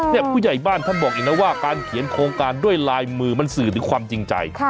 ผู้ใหญ่บ้านท่านบอกอีกนะว่าการเขียนโครงการด้วยลายมือมันสื่อถึงความจริงใจ